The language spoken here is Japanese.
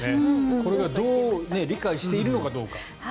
これが理解しているのかどうか。